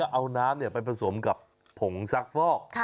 เอาน้ำไปผสมกับผงซักฟอก